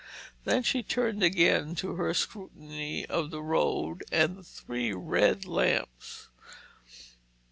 Then she turned again to her scrutiny of the road and the three red lamps.